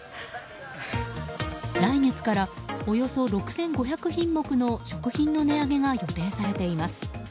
来月からおよそ６５００品目の食品の値上げが予定されています。